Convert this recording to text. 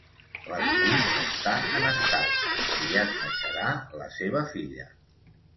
La Judit està en estat, aviat neixerà la seva filla